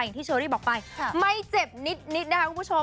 ที่เชอรี่บอกไปไม่เจ็บนิดนะคะคุณผู้ชม